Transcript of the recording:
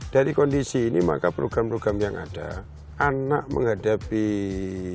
dari kondisi ini maka program program yang ada anak menghadapi generasi emas tahun dua ribu empat puluh lima